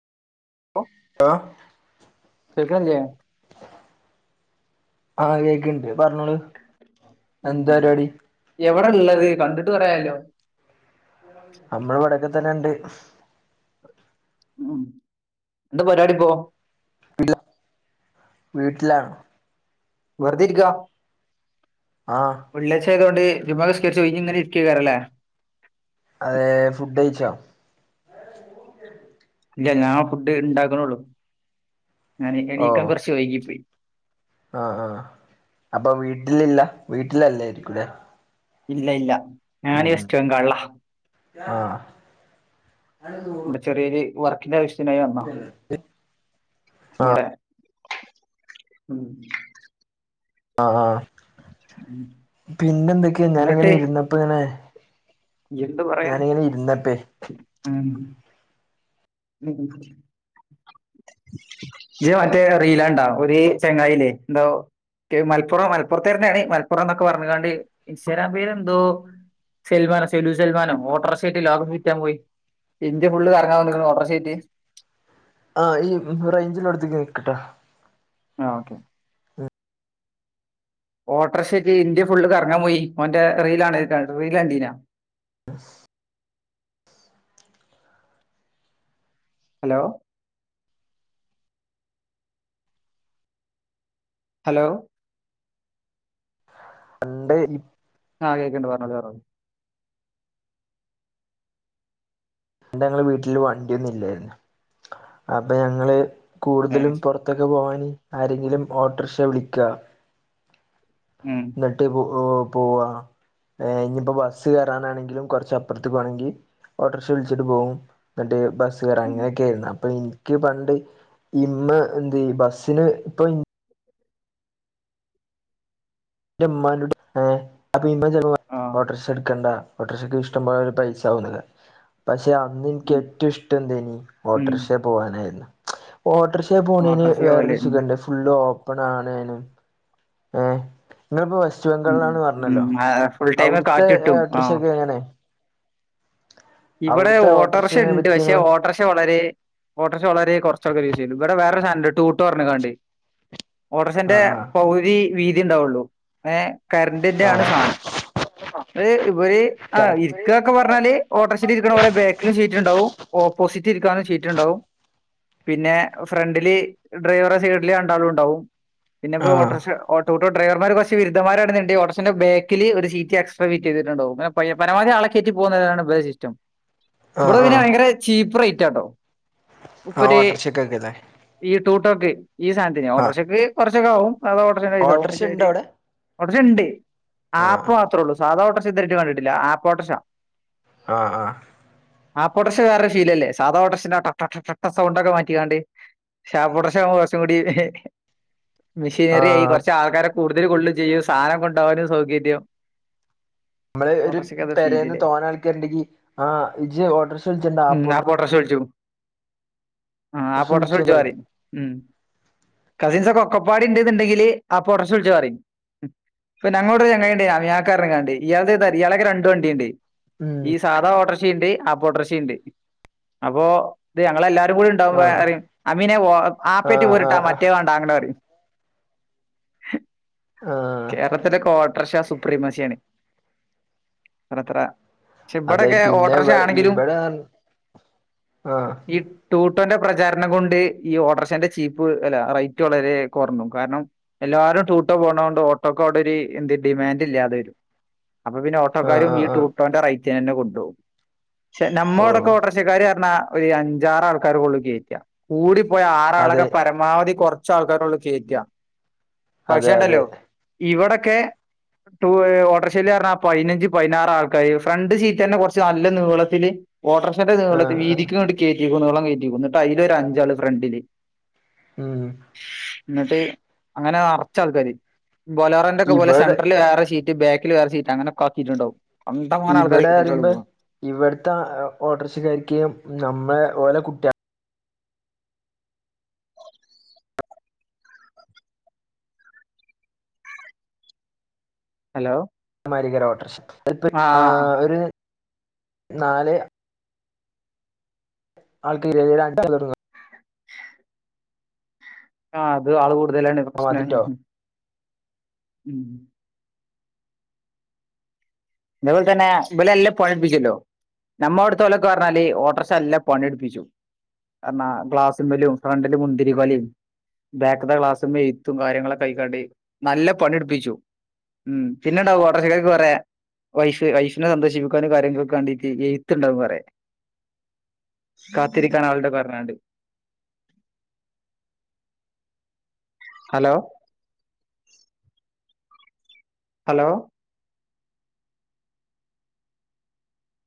ആഹ്. കേക്കണില്ലേ ആഹ് കേക്കണ്ട് പറഞ്ഞോളു. മം എവ്ടെ ള്ളത് കണ്ട്ട്ട് കുറേയായാലോ? അമ്മള് ഇവിടൊക്കെ തന്നെണ്ട്. മം ന്താ പരിപാടി ഇപ്പോ? ഇല്ല വീട്ടിലാണ് വെറുതെ ഇരിക്കാ. ആഹ് വെള്ളിച്ചായതുകൊണ്ട് ജുമുഅ നിസ്കരിച്ചു ഒഴിഞ്ഞ് ഇങ്ങനെ ഇരിക്കുയെക്കാരംല്ലേ? അതെ ഫുഡ് കഴിച്ചോ? ഇല്ല ഞാൻ ഫുഡ് ഇണ്ടാക്കണെള്ളൂ. ഞാൻ എണീക്കാൻ കൊർച്ച് വൈകിപ്പോയി. ആ ആ അപ്പൊ വീട്ടിലില്ല. വീട്ടിലല്ലോയിരിക്കൂലേ? ഇല്ല ഇല്ല. ഞാന് വെസ്റ്റ് ബംഗാളിലാ. ആഹ് ചെറിയൊരു വർക്കിന്റെ ആവശ്യത്തിനായി വന്നാ. ഔടെ? ആ ആ ഉം. പിന്നെ എന്തൊക്കെയാ? ഞാനിങ്ങനെ എന്നിട്ട് ഇരുന്നപ്പങ്ങനെ ഞാനിങ്ങനെ ഇരുന്നട്ടേ. ആഹ്. [unintelligible] ശബ്ദം ക്ലിയർ അല്ല ഇജ് മറ്റേ റീല് കണ്ടോ? ഒര് ചെങ്ങായില്ലേ എന്തോ മലപ്പുറം മലപ്പുറത്ത്കാരനാണ് മലപ്പോറം എന്നൊക്കെ പറഞ്ഞുകാണ്ട് ഇൻസ്റ്റാഗ്രാം പേര് എന്തോ? സെൽമാനോ സെലു സെൽമാനോ ഓട്ടോറിക്ഷ ആയിട്ട് ലോകം ചുറ്റാൻ പോയി ഇന്ത്യ ഫുള്ള് കറങ്ങാൻ [unintelligible] ശെരിയെ. ആ ഇയ് റേഞ്ചിൽ ഉള്ളടത്തേക്ക് നിക്കട്ടോ? ആ ഓക്കെ ഓട്ടർക്ഷയ്ക്ക് ഇന്ത്യ ഫുള്ള് കറങ്ങാൻ പോയി ഓന്റെ റീലാണേക്ക്‌ റീലണ്ടീന്യോ ഹലോ ഹലോ കണ്ട് ആഹ് കേക്ക്‌ക്കണ്ട് പർഞ്ഞോളി പർഞ്ഞോളി പണ്ട് ഞങ്ങള് വീട്ടില് വണ്ടിയൊന്നും ഇല്ലേന്നു. അപ്പ ഞങ്ങള് ഏ, കൂടുതലും പുറ ത്തൊക പോവാന് ആരെങ്കിലും ഓട്ടോർക്ഷ വിളിക ഉം എന്നിട്ട് പോ പോവാ ഏ നിപ്പൊബസ്സ് കയറാനാണെങ്കിലും കുറച്ചപൊർത്ത് വണെങ്കി ക്ഷ വിൽച്ചിട്ട് പോവുംന്നിട്ട് ബസ് കയറ ഉം, അങ്ങനെക്കെയിന്നു. പ്പൊ ഇന്ക്ക് പണ്ട് ഇമ്മ ന്ത് ബസ്സിന് പ്പൊ ന്റെ മാന്റെകുടി ഏ അപ്പമ്മ ചെൽപ്പൊ റി ആ, ഓട്ടോർക്ഷ ഇട്ക്കണ്ടാ ഓട്ടോർഷക്ക്‌ ഇഷ്ടപോലെരു പൈസവുലലേ പക്ഷെ അന്ന് ഇൻക്ക് ഉം, ഏറ്റുംഇഷ്ടം എന്തഞ്ഞി ഉം. ഓട്ടോർക്ഷെ പോവാനായിരുന്നു ഓട്ടോർഷേ പൊണെന് ഓട്ടർഷേ പോലെ വേറൊരു സുഖണ്ട് ഫുള് ഓപ്പണണേനും ഏ നിങ്ങളിപ്പോ വെസ്റ്റ് ബംഗാളിലന് പറഞ്ഞല്ലോ ഫുൾ ടൈം അവിടുത്ത കാറ്റ് കിട്ടും ആ ഓട്ടർഷ്യക്കെങ്ങനെ? ഇവടെ ഓട്ടോറിക്ഷനെ ഓട്ടറിക്ഷണ്ട് പക്ഷെ പറ്റിന്ന് ഓട്ടോർഷ വളരെ ഓട്ടോർക്ഷ വളരെ കുറച്ചൾക്കർ യൂസ്സെ ചെയ്യുന്നു. ഇവടെ വേറെരു സാനണ്ട് ടുട്ടോ ർഞ്ഞ്കാണ്ട് ഒട്ടൊർഷന്റെ ആഹ് ആഹ് പവുതി വീതിണ്ടാവുള്ളൂ ഏ കരന്റിന്റെണ് ആഹ് സാനം കാറ്റ്പുഴി ക്കക പറഞ്ഞാല് ഓട്ടോർഷില് ഇരിക്ക്‌ണപോലെ ബാക്കിലും സീറ്റ്ണ്ടാവും ഓപ്പോസിറ്റ് രിക്കാനും സീറ്റ്ണ്ടാവും. പിന്നെ ഫ്രണ്ട് ല് ഡ്രൈവറെ സൈഡില് രണ്ടാളുണ്ടാവും പിന്നെപ്പൊ ആഹ് ഓട്ടോർഷ ഓട്ടോ ഡ്രൈവർമാർ കുർച് വിരുധമാരണ്ന്ന്ണ്ടെ ഓട്ടോർഷന്റെ ബാക്കില് ഒരു സീറ്റ് എക്സ്ട്രാ ഫിറ്റ് ചെയ്തിട്ടുണ്ടാവും പയ പനവ ആളക്കെറ്റി പോകുന്നത്താണ് [unintelligible] സിസ്റ്റം ആഹ് വടെ പിന്നെ ആഹ് ഭയങ്കര ചീപ്പ് റേറ്റാട്ടോ ആഹ് മൂപ്പൊര് ഓട്ടോറിക്ഷക്കൊക്കെല്ലേ ഈ ടൂട്ടൊക്കെ ഈ സ ആഹ് ഓട്ടോർക്ഷക്ക് കുറച്ചൊക്കെ ാകും അതാ ഓട്ടോർക്ഷ പൈസാവും ഹ് ഓട്ടോറിക്ഷ ഉണ്ടോ ശരി അവിടെ ഒട്ടൊർഷണ്ട്. ആഹ് ആപ്പ് മത്രേള്ളു സാദ ഓട്ടോർഷ ഇദേരെട്ട് കണ്ടിട്ടില്ല. ആപ്പ ഒട്ടോർഷ ആഹ ആഹ ആപ്പൊട്ടർഷ വേറെ ഫീലല്ല സാദാ ഒട്ടോർഷന്റെ ആ ട ട ട സൗണ്ടൊക്കെ മാറ്റിക്കാണ്ട് ആപ്പൊട്ടോർഷകുമ്പോ കൊറച്ചുകൂടി മെഷീനറിയി ആഹ് കുറച്ചൾക്കാരെ കൂടുതൽ കൊള്ളുംചെയ്യും സാനം കൊണ്ടുവാനും സൗകര്യം മ്മള് രു ഓട്ടോറിക്ഷയ്ക്ക് അത് പേരെന്ന് ഫീലില്ലേ തോന ആൾക്കാര്ണ്ടെങ്കി ആ ഇജ്ജ് ഓട്ടോ ഉം ആപോട്ടോർഷൽച്ചും ഓട്ടോറിക്ഷ വിളിച്ചോന്ന് പറയും ആപ്പൊട്ടോർച്ചൽച്ചോറിം ഉം കസിൻസ്ക്കെ ഒക്കപ്പടിണ്ട് ണ്ടെന്നണ്ടെങ്കില് ആപ്പൊട്ടോർക്ഷളിച്ചോറിം പ്പ ഞങ്ങളോടെരു ചെങ്ങായിണ്ട് [unintelligible] ഇയാൾത് ത ഇയാളെക്കെ രണ്ട് വണ്ടിണ്ട്. ഉം ഈ സാധ ഓട്ടോർഷിണ്ട് ആപ്പൊട്ടോർഷിണ്ട് അപ്പോ ഇത് ഞങ്ങളല്ലാരും കൂടെണ്ട് ആഹ് ണ്ടവുബൊറിം അമീനെ ഒ ആപ്പേറ്റ് ആഹ് പോരിട്ടാ ആഹ് ആഹ് മറ്റേ വാണ്ട അങ്ങനെ പറിം. ഏഹ കേരളത്തിലെക്കെ ഓട്ടോർഷാ സുപ്രീമാസിണ് ത്ര ത്ര ക്ഷെ അതെ ഇബടെക്കെ പിന്നെ ഇവിടെ ഓട്ടറിക്ഷണെങ്കിലും ഇവിടെ ആഹ് ഈ ടൂട്ടോന്റെ പ്രചാരണം കൊണ്ട് ഈ ഓട്ടർഷന്റെ ചീപ്പ് അല്ല റേറ്റ് വളരെ കൊറ്ഞ്ഞു കാരണം എല്ലാരും ടുട്ടോ പോണോണ്ട് ഓ ഓട്ടോകോടൊര് എന്ത്‌ ഡിമാന്റ് ഇല്ലാതെരും അപ്പ പിന്നെ ആഹ് ഓട്ടോകാരും ഈ ആഹ് ടു ആഹ് ട്ടോന്റെ റൈറ്റിനെന്നെ കൊണ്ടോകും പക്ഷെ ഓഹ് നമ്മോടൊക്കെവിടെ പച്ചക്കാറ്ഞ്ഞാ ഒരു അഞ്ചാറ് ആൾക്കാരൊക്കള്ളു കേയ്റ്റാ കൂടി പോയ അതെ ആറാളൊക്കെപരമാവധി കൊറ് കൊറച്ചു ആൾക്കാരൊള്ളു കേറ്റാ പക്ഷേ അതെ അതെ ഇണ്ടല്ലോ ഇവിടെക്കെ ടു ഓട്ടോറിക്ഷ പറഞ്ഞാ പതിനഞ്ച് പതിനാറ് ആൾക്കാര് ഫ്രണ്ട് സീറ്റ് തന്നെ കൊറച്ച് നല്ല നീളത്തില് ഓട്ടോറക്ഷന്റെ നീള ആഹ് ആഹ് വീതിക്ക് കേറ്റിക്കും നീളം കേറ്റിക്കോുന്നു കേട്ട് അതിൽൊ ഒരു അഞ്ചാള് ഫ്രണ്ടില് ഉം എന്നിട്ട് അങ്ങനെ നിറച്ച ആൾക്കാർ ബലോറിന്റെ ഒക്കെ പോലെ ഇവിടെ സെൻററിില് വേറെ സീറ്റ് ബാക്കിൽ വേറെീറ്റ് അങ്ങനെക്കെക്കിയിട്ടുണ്ടാവും കണ്ട മാനം ആൾക്കാരെ കിട്ടിട്ടേ ഓള് പോവാ ഇവിടത്തെ ഓർട്ടർസകാരിക്ക് നമ്മളെ ഓലെ കുട്വ ഹലോ മാഥിരിയേക്കാരം ഓട്ടർഷ പ്പോ ആഹ് ഒരു നാലെ ആൾക്ക് [unintelligible] ആഹ് അത് ആള് കൂടതല്ലാണ പ്രശ്ന മതിട്ടോ ഉ ഉം ഇതുപോലെ തന്നെ എല്ല പണിട്പ്പിച്ചുല്ലോ നമ്മളൊട്ത്തോലൊക്കെ പറഞ്ഞാല് ഓട്ടോറിക്ഷ നല്ലൊപണിടിപ്പിച്ചും പർഞ ഗ്ലാസ്സ്മ്മലും ഫ്രണ്ടില് മുന്തിരി കൊലിം ബാക്ക് ദാ ക്ലാസ്സ ഇത്തും കാര്യങ്ങളൊക്കെ കയിക്കാണ്ട് നല്ല പണിയെടുപ്പിച്ചു ഉം പിന്നെണ്ടാവും ഓട്ടർഷകൊക്കെ കൊറെ വൈഫ് വൈഫിനെ സന്തോഷിക്കാനും കാര്യങ്ങളൊക്കെ കണ്ടിട്ട് എഴുത്ത്ണ്ടാവന്ന് പറയാ കാത്തിരിക്കാൻ ആളുടെ പറഞ്ഞാണ്ട് ഹലോ ഹലോ